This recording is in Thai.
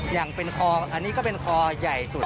อย่างเป็นคลองอันนี้ก็เป็นคลองใหญ่สุด